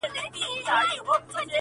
• كله ،كله ديدنونه زما بــدن خــوري.